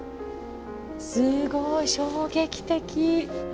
すごい！衝撃的。